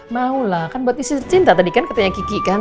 maulah kan buat istri cinta tadi kan katanya kiki kan